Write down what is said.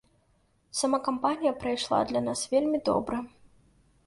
Сама кампанія прайшла для нас вельмі добра.